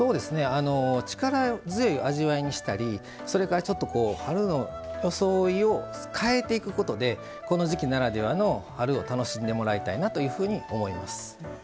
力強い味わいにしたりそれからちょっと春の装いを変えていくことでこの時季ならではの春を楽しんでもらいたいなというふうに思います。